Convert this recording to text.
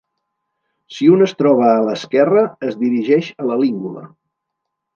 Si un es troba a l'esquerra, es dirigeix a la língula.